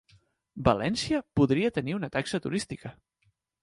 València podria tenir una taxa turística